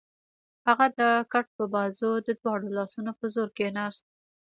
هغه د کټ پر بازو د دواړو لاسونو په زور کېناست.